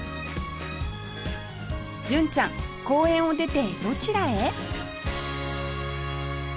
純ちゃん公園を出てどちらへ？